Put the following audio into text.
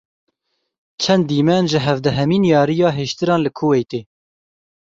Çend dîmen ji hevdehemîn Yariya Hêştiran li Kuweytê.